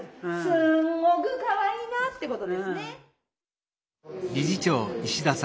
すんごくかわいいなってことですね。